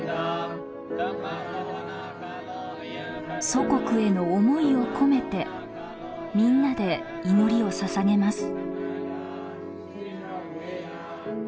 祖国への思いを込めてみんなで祈りをささげます。